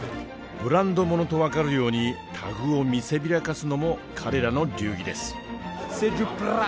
ブランド物と分かるようにタグを見せびらかすのも彼らの流儀です。